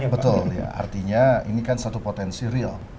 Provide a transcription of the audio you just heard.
betul artinya ini kan satu potensi real